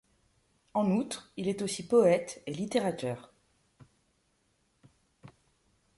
En outre, il est aussi poète et littérateur.